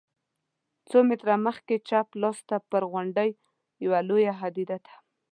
څو متره مخکې چپ لاس ته پر غونډۍ یوه لویه هدیره ده.